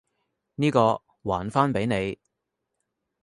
呢個，還返畀你！